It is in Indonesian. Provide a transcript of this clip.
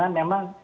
ya karena memang